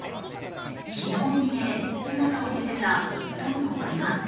きのう未明、姿を見せた１頭のクマ。